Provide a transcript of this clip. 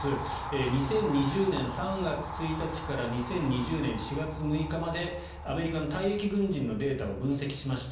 ２０２０年３月１日から２０２０年４月６日までアメリカの退役軍人のデータを分析しました。